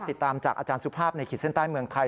ติดตามจากอาจารย์สุภาพในขีดเส้นใต้เมืองไทย